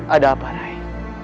ada apa rai